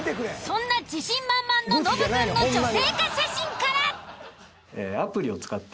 そんな自信満々のノブくんの女性化写真から。